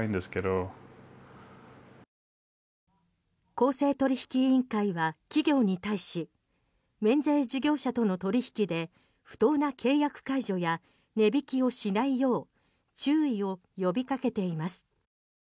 公正取引委員会は企業に対し免税事業者との取引で不当な契約解除や値引きをしないよう注意を呼びかけています。